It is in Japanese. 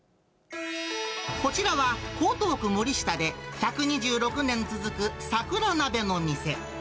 こちらは、江東区森下で１２６年続く桜なべの店。